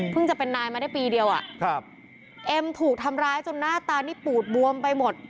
จะเป็นนายมาได้ปีเดียวอ่ะครับเอ็มถูกทำร้ายจนหน้าตานี่ปูดบวมไปหมด